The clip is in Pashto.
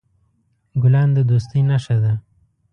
ګلان د دوستۍ نښه ده.